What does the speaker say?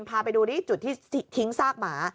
พาไปดูที่จุดที่ทิ้งซากหมา